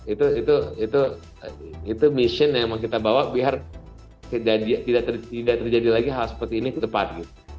itu itu itu itu mission yang mau kita bawa biar tidak terjadi lagi hal seperti ini ke depan gitu